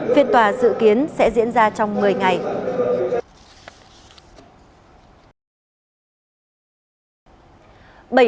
phiên tòa dự kiến sẽ diễn ra trong một mươi ngày